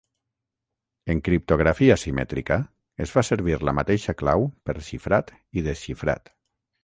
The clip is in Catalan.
En criptografia simètrica, es fa servir la mateixa clau per xifrat i desxifrat.